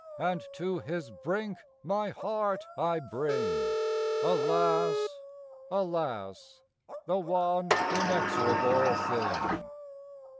And to his brink my heart I bring; (Alas, alas, The one inexorable thing!)